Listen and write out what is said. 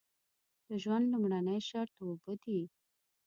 د ژوند لومړنی شرط اوبه دي.